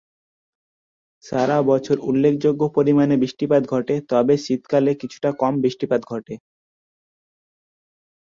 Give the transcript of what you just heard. সারা বছর উল্লেখযোগ্য পরিমাণে বৃষ্টিপাত ঘটে, তবে শীতকালে কিছুটা কম বৃষ্টিপাত ঘটে।